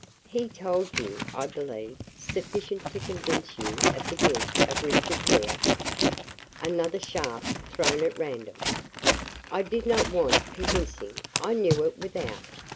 "He told you, I believe, sufficient to convince you of the guilt of Richard Hare?" Another shaft thrown at random. "I did not want convincing I knew it without.